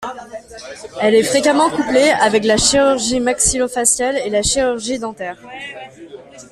Elle est fréquemment couplée avec la chirurgie maxillo-faciale et la chirurgie dentaire.